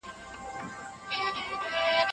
سياستوال بايد د خلګو غوښتنو ته درناوی وکړي.